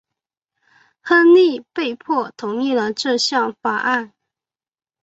亨利被迫同意了这项法案。